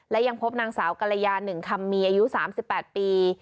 และยังพบนางสาวกรยา๑คำมีอายุ๓๘ปี